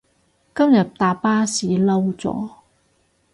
今日搭巴士嬲咗